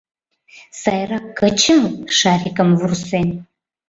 Сайрак кычал!» — Шарикым вурсен.